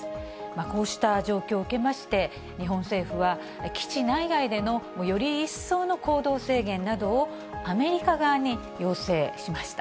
こうした状況を受けまして、日本政府は、基地内外でのより一層の行動制限などをアメリカ側に要請しました。